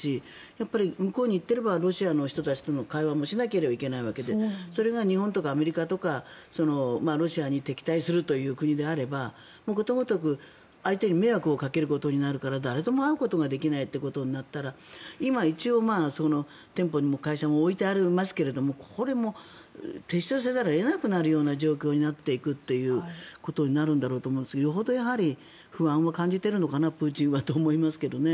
やっぱり向こうに行っていればロシアの人たちとの会話もしなければいけないわけだしそれが日本とかアメリカとかロシアに敵対するという国であればことごとく相手に迷惑をかけることになるから誰とも会うことができないということになったら今、一応店舗も会社も置いてありますがこれも撤収せざるを得なくなるような状況になるんだろうと思いますがよほどやはり不安を感じているのかなプーチンはと思いますけどね。